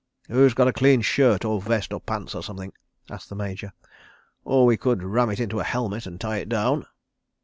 "Who's got a clean shirt or vest or pants or something?" asked the Major. "Or could we ram it into a helmet and tie it down?"